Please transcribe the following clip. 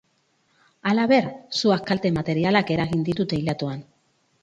Halaber, suak kalte materialak eragin ditu teilatuan.